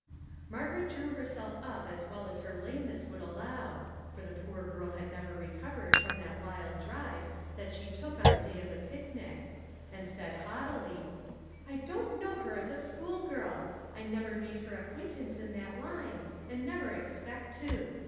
Margaret drew herself up as well as her lameness would allow, for the poor girl had never recovered from that wild drive that she took on the day of the picnic, and said haugh 316 A MEMORABLE BIRTHDAY tily :" I don't know her as a school girl ; I never made her acquaintance in that line, and never expect to.